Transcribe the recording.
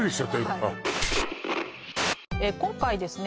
今今回ですね